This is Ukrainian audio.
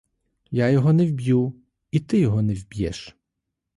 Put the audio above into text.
Я його не вб'ю, і ти його не вб'єш.